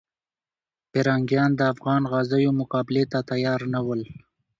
پرنګیان د افغان غازیو مقابلې ته تیار نه ول.